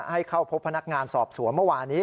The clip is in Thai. ให้เข้าพบพนักงานสอบสวนเมื่อวานี้